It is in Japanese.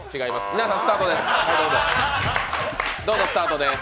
皆さん、スタートです。